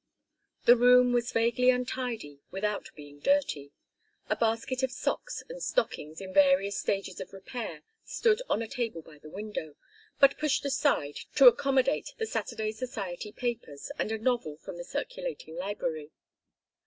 The room was vaguely untidy without being dirty. A basket of socks and stockings in various stages of repair stood on a table by the window, but pushed aside to accommodate the Saturday society papers and a novel from the circulating library.